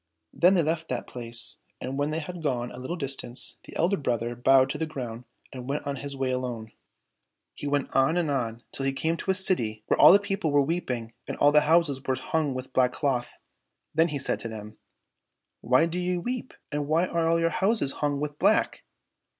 Then they left that place and when they had gone a little distance, the elder brother bowed to the ground and went on his way alone. 1 The wife of a Tsar. 213 COSSACK FAIRY TALES He went on and on till he came to a city where all the people were weeping and all the houses were hung with black cloth. And he said to them, " Why do ye weep, and why are all your houses hung with black